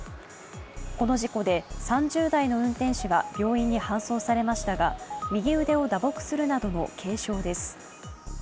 この事故で３０代の運転手が病院に搬送されましたが右腕を打撲するなどの軽傷です。